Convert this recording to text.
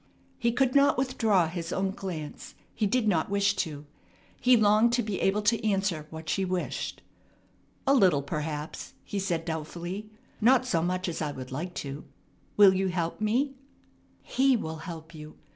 He could not withdraw his own glance. He did not wish to. He longed to be able to answer what she wished. "A little, perhaps," he said doubtfully. "Not so much as I would like to. Will you help me?" "He will help you.